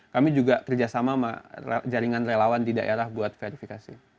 kami juga kerjasama sama jaringan relawan di daerah buat verifikasi